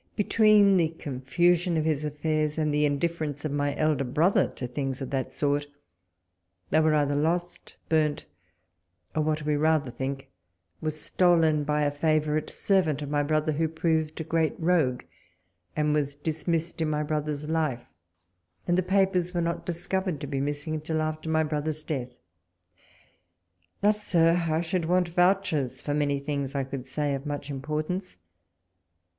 Between the confusion of his affairs, and the indifference of my elder brother to things of that sort, they were either lost, burnt, or what we rather think, were stolen by a favourite servant of my brother, who proved a great rogue, and was dismissed in my brother's life ; and the papers were not discoAcred to be missing till after my brother's death. Thus, Sir, I should want vouchers for many things I could say of much importance.